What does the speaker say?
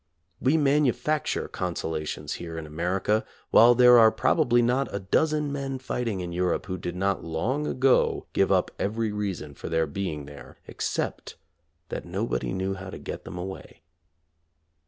We manufacture consolations here in America while there are probably not a dozen men fighting in Europe who did not long ago give up every reason for their being there except that nobody knew how to get them away.